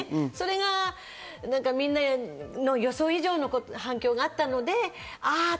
それがみんなに予想以上の反響があったのであっ！